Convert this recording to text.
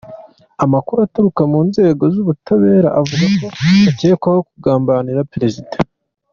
Amakuru aturuka mu nzego z’ubutabera avuga ko bakekwaho ‘kugambanira Perezida.